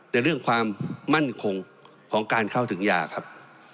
ในเรื่องความมั่นคงของการเข้าถึงยาครับ